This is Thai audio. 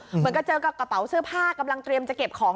เหมือนกับเจอกับกระเป๋าเสื้อผ้ากำลังเตรียมจะเก็บของ